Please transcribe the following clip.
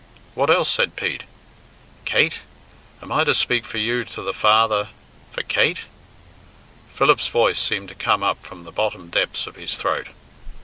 "What else?" said Pete. "Kate? Am I to speak for you to the father for Kate?" Philip's voice seemed to come up from the bottom depths of his throat.